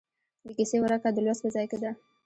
د کیسې ورکه د لوست په ځای کې ده.